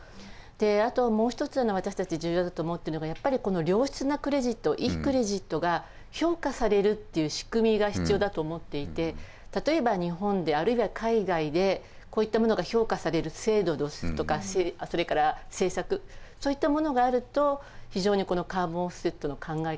あともう一つ私たち重要だと思ってるのがやっぱりこの良質なクレジットいいクレジットが評価されるっていう仕組みが必要だと思っていて例えば日本であるいは海外でこういったものが評価される制度ですとかそれから政策そういったものがあると非常にこのカーボンオフセットの考え方